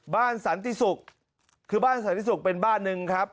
บ้านสันติสุกคือบ้านสันติสุกเป็นบ้านหนึ่งครับ